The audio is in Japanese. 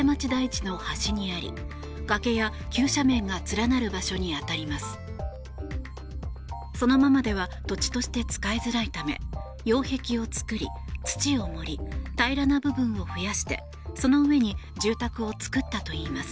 そのままでは土地として使いづらいため擁壁を作り、土を盛り平らな部分を増やしてその上に住宅を作ったといいます。